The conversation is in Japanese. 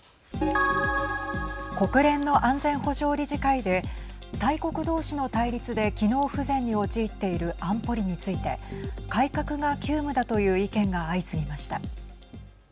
国連の安全保障理事会で大国同士の対立で機能不全に陥っている安保理について改革が急務だという意見が相次ぎました。